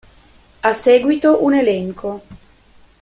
A seguito un elenco.